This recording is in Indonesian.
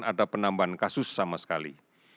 ada penambahan kasus sama sekali